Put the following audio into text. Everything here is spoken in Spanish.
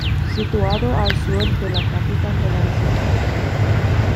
Situado al sur de la capital valenciana.